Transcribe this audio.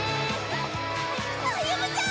歩夢ちゃん！